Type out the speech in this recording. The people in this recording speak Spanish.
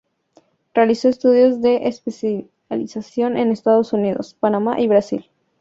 Realizó estudios de especialización en Estados Unidos, Panamá y Brasil.